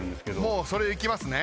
もうそれいきますね？